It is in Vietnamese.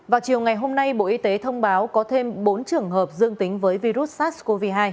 vào chiều ngày hôm nay bộ y tế thông báo có thêm bốn trường hợp dương tính với virus sars cov hai